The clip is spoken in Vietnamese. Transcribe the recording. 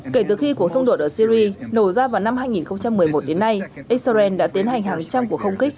kể từ khi cuộc xung đột ở syri nổ ra vào năm hai nghìn một mươi một đến nay israel đã tiến hành hàng trăm cuộc không kích